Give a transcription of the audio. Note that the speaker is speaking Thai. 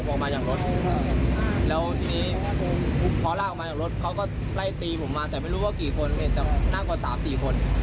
แฟนเก่าพาไปแล้วพี่